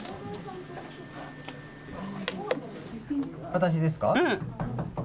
私ですか？